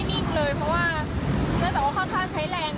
ตอนนี้คือพักอยู่เขาเดี๋ยวช้างพักเขาน่าน่าจะสามารถรอทาง